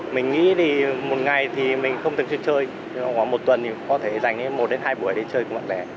mình nghĩ một ngày thì mình không thích chơi hoặc một tuần thì có thể dành một đến hai buổi để chơi cùng bạn bè